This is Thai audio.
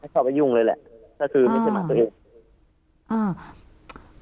ไม่เข้าไปยุ่งเลยแหละถ้าคือไม่ใช่หมาตัวอื่น